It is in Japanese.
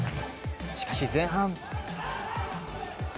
しかし前半。